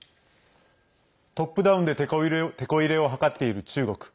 トップダウンでてこ入れを図っている中国。